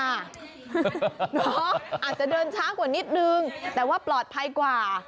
อาจจะเดินช้ากว่านิดนึงแต่ว่าปลอดภัยกว่า